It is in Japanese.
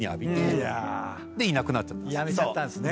辞めちゃったんすね。